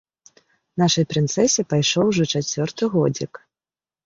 Нашай прынцэсе пайшоў ужо чацвёрты годзік.